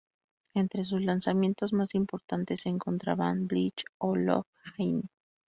Entre sus lanzamientos más importantes se encontraban Bleach o Love Hina.